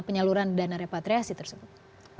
apa yang bisa diperlukan reksadana repatriasi tersebut